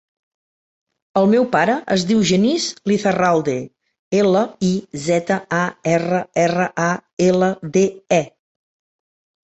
El meu pare es diu Genís Lizarralde: ela, i, zeta, a, erra, erra, a, ela, de, e.